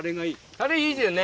たれ、いいっすよね。